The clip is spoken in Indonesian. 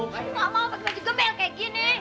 gak mau pakai baju gemel kayak gini